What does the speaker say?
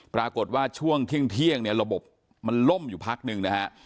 ปรากฏว่าช่วงเที่ยงเนี่ยระบบมันล่มอยู่พักหนึ่งนะฮะ